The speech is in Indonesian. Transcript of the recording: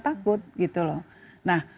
takut gitu loh nah